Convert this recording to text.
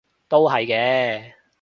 都係嘅